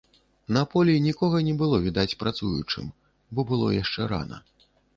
На полі нікога не было відаць працуючым, бо было яшчэ рана.